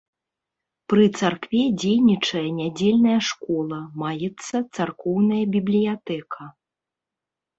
Пры царкве дзейнічае нядзельная школа, маецца царкоўная бібліятэка.